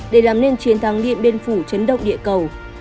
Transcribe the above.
để làm nên chiến thắng điện biên phủ chấn động địa cầu